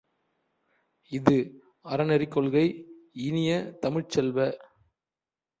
இஃது அறநெறிக் கொள்கை இனிய தமிழ்ச் செல்வ!